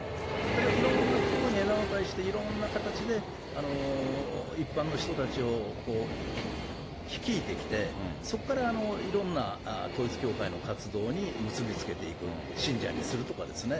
ただ、いろんな所に枝分かれして、いろんな形で、一般の人たちを率いてきて、そこからいろんな統一教会の活動に結び付けていく、信者にするとかですね。